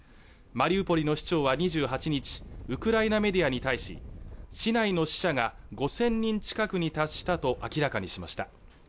マリウポリの市長は２８日ウクライナメディアに対し市内の死者が５０００人近くに達したと明らかにしました